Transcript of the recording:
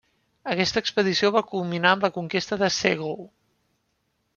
Aquesta expedició va culminar amb la conquesta de Ségou.